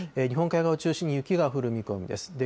日本海側を中心に雪が降る見込みです。